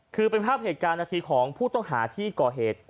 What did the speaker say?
คือเป็นภาพเหตุการณ์นาทีของผู้ต้องหาที่ก่อเหตุ